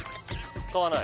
買わない？